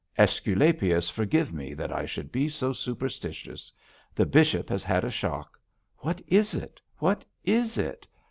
Æsculapius forgive me that I should be so superstitious. The bishop has had a shock. What is it? what is it?